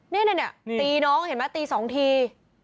นี่ตีน้องเห็นไหมตี๒ที